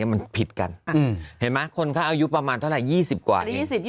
มันผิดกันเห็นไหมคนเขาอายุประมาณเท่าไหร่๒๐กว่าเอง